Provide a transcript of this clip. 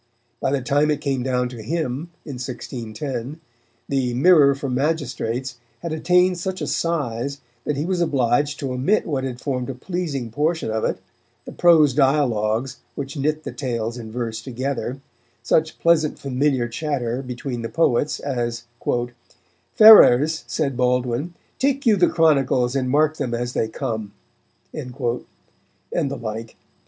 By the time it came down to him, in 1610, the Mirror for Magistrates had attained such a size that he was obliged to omit what had formed a pleasing portion of it, the prose dialogues which knit the tales in verse together, such pleasant familiar chatter between the poets as "Ferrers, said Baldwin, take you the chronicles and mark them as they come," and the like.